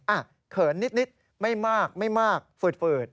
อ่ะเขินนิดไม่มากไม่มากฝืดฝืด